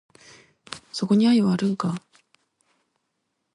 そこに愛はあるんか？